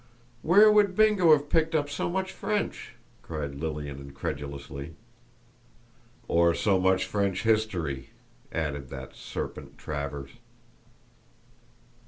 "Where could Bingo have picked up so much French?" cried Lilian, incredulously. "Or so much French history?" added that serpent, Travers.